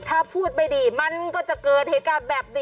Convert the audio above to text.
ถ้าพูดไม่ดีมันก็จะเกิดเหตุการณ์แบบนี้